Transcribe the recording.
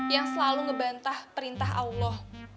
yang selalu ngebantah perintah allah